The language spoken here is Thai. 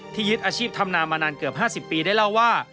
ยึดอาชีพทำนามานานเกือบ๕๐ปีได้เล่าว่า